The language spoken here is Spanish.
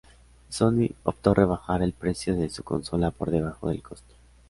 Sony optó rebajar el precio de su consola por debajo del costo.